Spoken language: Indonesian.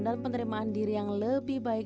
dan penerimaan diri yang lebih baik